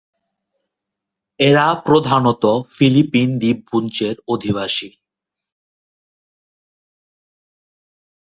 এরা প্রধানত ফিলিপাইন দ্বীপপুঞ্জের অধিবাসী।